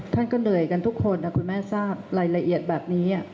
ท่านก็เหนื่อยกันทุกคนนะคุณแม่ทราบรายละเอียดแบบนี้